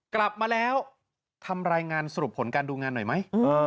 กลับมาแล้วทำรายงานสรุปผลการดูงานหน่อยไหม